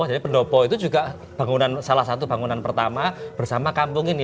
jadi pendopo itu juga salah satu bangunan pertama bersama kampung ini